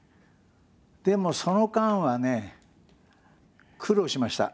でもその間はね苦労しました。